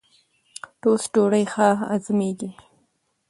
ټوسټ ډوډۍ ښه هضمېږي.